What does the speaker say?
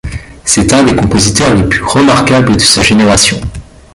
C'est un des compositeurs les plus remarquables de sa génération.